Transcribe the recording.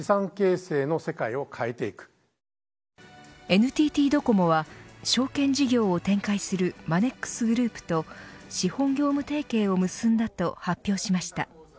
ＮＴＴドコモは証券事業を展開するマネックスグループと資本業務提携を結んだと発表しました。